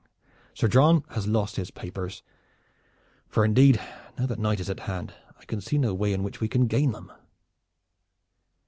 Sir John has lost his papers, for indeed now that night is at hand I can see no way in which we can gain them."